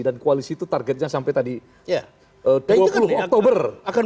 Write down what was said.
dan koalisi itu targetnya sampai tadi dua puluh oktober dua ribu dua puluh empat